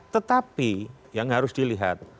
tetapi yang harus dilihat